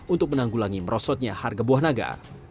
untuk menanggulangi merosotnya harga buah naga